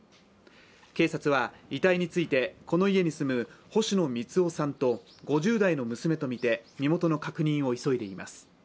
警察は遺体についてこの家に住む星野光男さんと５０代の娘とみて身元の確認を急いでいます。